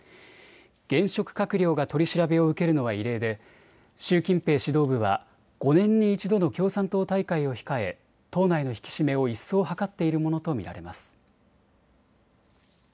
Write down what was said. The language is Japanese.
現職閣僚が取り調べを受けるのは異例で習近平指導部は５年に１度の共産党大会を控え党内の引き締めを一層、図っているものと見られます。